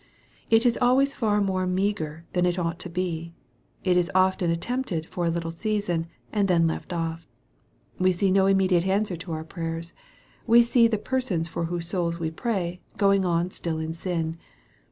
It is always far more meagre than it ought to be. It is often attempted for a little season, and then left off. We see no immediate answer to our prayers. We see the persons for whose souls we pray, going on still in sin.